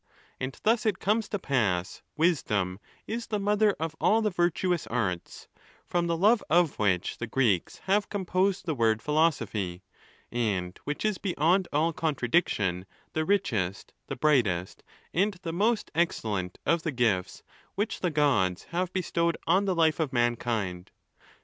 And, thus it comes to pass wisdom is the mother of all the virtuous arts, from the love of which the Greeks have composed the word Philosophy ; and which is beyond all contradiction the richest, the brightest, and the most excellent of the gifts which the Gods have bestowed on the life of mankind.